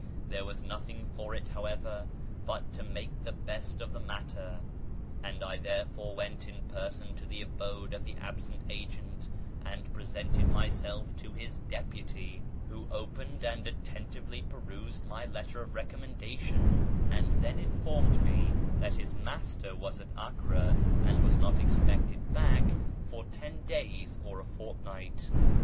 There was nothing for it, however, but to make the best of the matter, and I therefore went in person to [page xxviii] the abode of the absent agent and presented myself to his deputy, who opened and attentively perused my letter of recommendation, and then informed me that his master was at Acre and was not expected back for ten days or a fortnight.